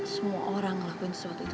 semua orang ngelakuin sesuatu itu